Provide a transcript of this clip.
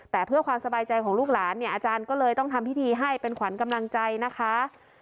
แต่เพื่อความสบายใจของลูกหลานเนี่ยอาจารย์ก็เลยต้องทำพิธีให้เป็นขวัญกำลังใจนะคะ